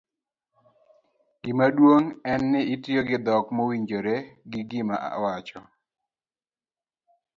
gimaduong' en ni itiyo gi dhok mowinjore gi gima wacho